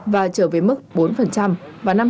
và trở về mức bốn vào năm hai nghìn hai mươi